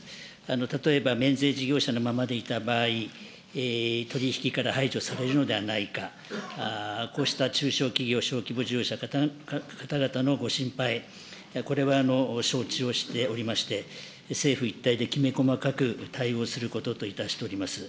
例えば免税事業者のままでいた場合、取り引きから排除されるのではないか、こうした中小企業、小規模事業者の皆様のご心配、これは承知をしておりまして、政府一体できめ細かく対応することといたしております。